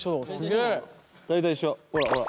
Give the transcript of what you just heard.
ほらほら。